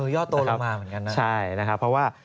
ยอดโตลงมาเหมือนกันนะใช่นะครับเพราะว่า